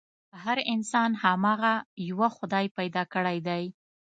هر انسان هماغه يوه خدای پيدا کړی دی.